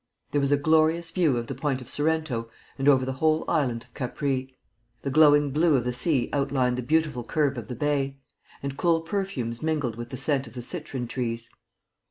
There was a glorious view of the point of Sorrento and over the whole island of Capri. The glowing blue of the sea outlined the beautiful curve of the bay; and cool perfumes mingled with the scent of the citron trees.